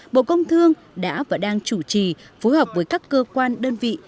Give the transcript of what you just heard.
bộ công thương đã và đang chủ trì phối hợp với các cơ quan đơn vị